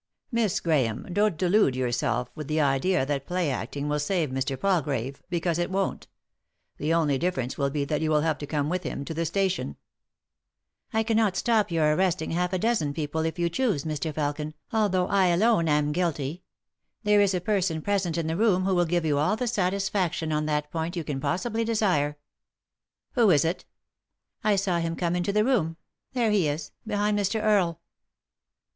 " Miss Grahame, don't yon delude yourself with the idea that play acting will save Mr. Palgrave, because it won't The only difference will be that you will have to come with him to the station." "I cannot stop your arresting half a dozen people 3*9 3i 9 iii^d by Google THE INTERRUPTED KISS if you choose, Mr. Felkin, although I alone am guilty. There is a person present in the room who will give you all the satisfaction on that point you can possibly desire." "Who is it? "I saw him come into the room — there he is, behind Mr. Earle."